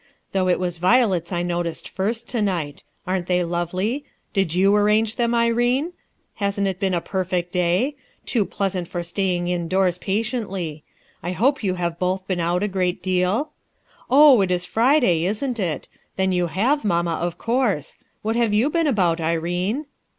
"Though it was violets I noticed first, to night. Aren't they lovely? Did you arrange them, Irene? Hasn't it been a perfect day? Too pleasant for staying in doors patiently. I hope you have both been out a great deal? Oh, it "13 Friday, Isn't it? Then you have, mamma, of course. What have you been about, Irene?"